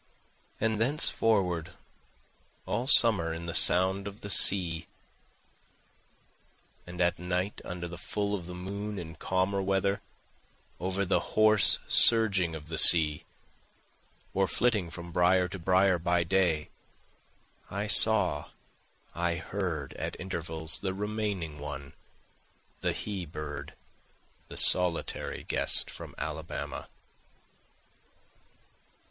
And thenceforward all summer in the sound of the sea, And at night under the full of the moon in calmer weather, Over the hoarse surging of the sea, Or flitting from brier to brier by day, I saw, I heard at intervals the remaining one, the he bird, The solitary guest from Alabama.